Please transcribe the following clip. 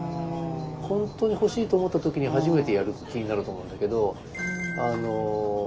本当に欲しいと思った時に初めてやる気になると思うんだけど。